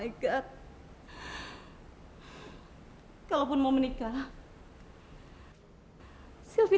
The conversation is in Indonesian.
tidak ada yang bisa dikira